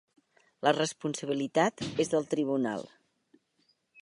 La responsabilitat és del tribunal.